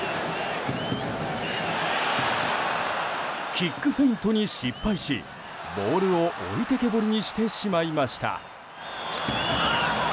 キックフェイントに失敗しボールを置いてけぼりにしてしまいました。